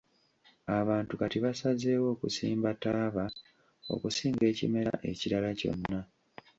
Abantu kati basazeewo okusimba ttaaba okusinga ekimera ekirala kyonna.